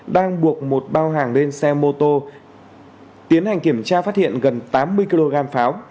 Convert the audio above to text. đang buộc một bao hàng lên xe mô tô tiến hành kiểm tra phát hiện gần tám mươi kg pháo